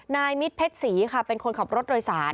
มิตรเพชรศรีค่ะเป็นคนขับรถโดยสาร